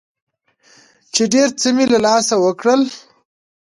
چې ډېر څه مې له لاسه ورکړل.